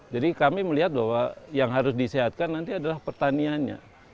jadi kami melihat bahwa yang harus disehatkan nanti adalah pertaniannya